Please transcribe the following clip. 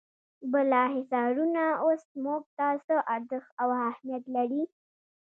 بالا حصارونه اوس موږ ته څه ارزښت او اهمیت لري.